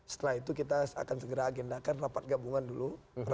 setelah itu kita akan segera agendakan rapat gabungan dulu